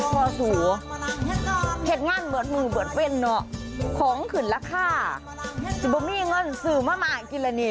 พอสู่เห็นงานเบือดมือเบือดเว่นเนอะของขึ้นราคาสืบมี่เงินสื่อมามากินแล้วนี่